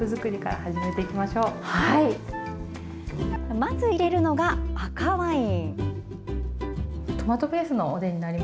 まず入れるのが、赤ワイン。